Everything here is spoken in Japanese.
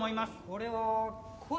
これは恋。